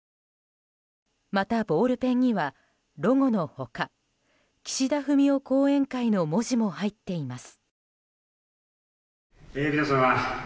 また、ボールペンにはロゴの他「岸田文雄後援会」の文字も入っています。